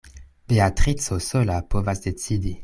Beatrico sola povas decidi.